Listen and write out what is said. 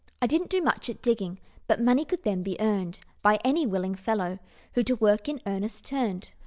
I didn't do much at digging, But money could then be earned By any willing fellow Who to work in earnest turned.